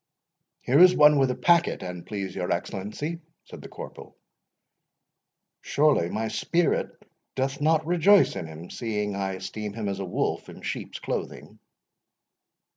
"Here is one with a packet, an please your Excellency," said the corporal—"Surely my spirit doth not rejoice in him, seeing I esteem him as a wolf in sheep's clothing."